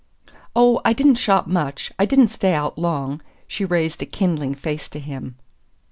"Oh, I didn't shop much I didn't stay out long." She raised a kindling face to him.